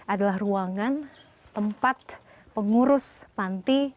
adalah ruangan tempat pengurus panti